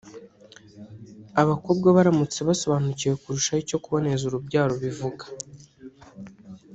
Abakobwa baramutse basobanukiwe kurushaho icyo kuboneza urubyaro bivuga